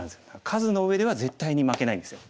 数の上では絶対に負けないんですよ。